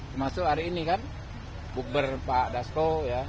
termasuk hari ini kan buber pak dasko